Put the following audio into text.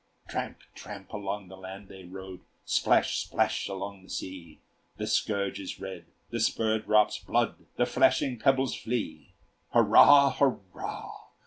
Tramp! tramp! along the land they rode, Splash! splash! along the sea; The scourge is red, the spur drops blood, The flashing pebbles flee. "Hurrah! hurrah!